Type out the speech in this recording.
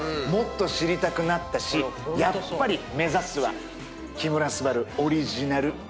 もっと知りたくなったしやっぱり目指すは木村昴オリジナル